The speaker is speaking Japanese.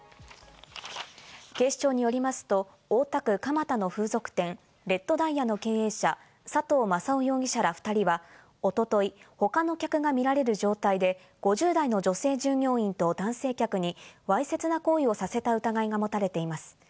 警視庁によりますと、大田区蒲田の風俗店・レッドダイヤの経営者・佐藤正男容疑者ら２人は一昨日、他の客が見られる状態で、５０代の女性従業員と男性客にわいせつな行為をさせた疑いが持たれています。